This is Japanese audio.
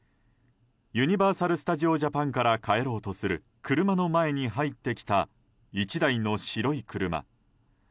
ユニバーサル・スタジオ・ジャパンから帰ろうとする車の前に入ってきた１台の白い車。